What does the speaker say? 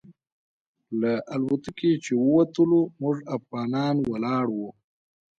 له الوتکې چې ووتلو موږ افغانان ولاړ وو.